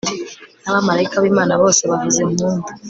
n'abamalayika b'imana bose bavuza impundu